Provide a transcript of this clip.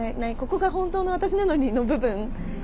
ここが本当の私なのにの部分。